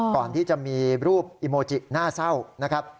ก่อนที่จะมีรูปอิโมจิน่าเศร้านะครับ